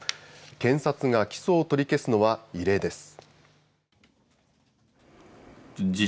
検察が起訴を取り消すのは異例です。